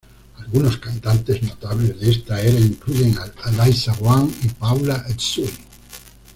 Algunos cantantes notables de esta era incluyen a Liza Wang y Paula Tsui.